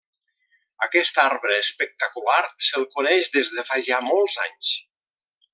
Aquest arbre espectacular se'l coneix des de fa ja molts anys.